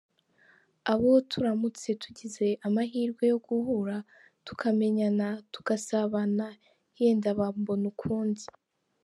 Abo turamutse tugize amahirwe yo guhura, tukamenyana, tugasabana, yenda bambona ukundi.